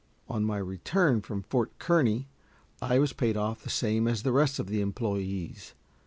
On my return from Fort Kearny I was paid off the same as the rest of the employés.